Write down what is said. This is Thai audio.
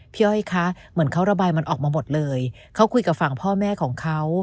อ้อยคะเหมือนเขาระบายมันออกมาหมดเลยเขาคุยกับฝั่งพ่อแม่ของเขา